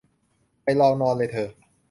ไปลองนอนเลยเธอ